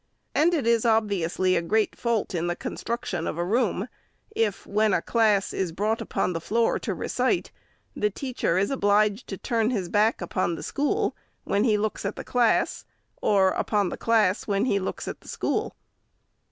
And it is obviously a great fault in the construction of a room, if, when a class is brought upon the floor to recite, the teacher is obliged to turn his back upon the school, when he looks at the class, or upon the class when he looks at the school.